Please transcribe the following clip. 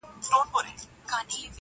او شاباس درباندي اوري-